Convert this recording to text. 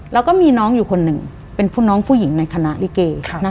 แล้วก็มีน้องอยู่คนหนึ่งเป็นผู้น้องผู้หญิงในคณะลิเก